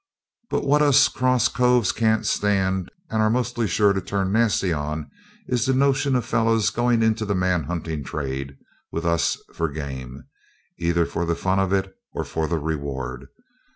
But what us cross coves can't stand and are mostly sure to turn nasty on is the notion of fellows going into the manhunting trade, with us for game, either for the fun of it or for the reward.